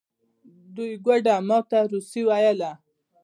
دوی ګوډه ما ته روسي ویله.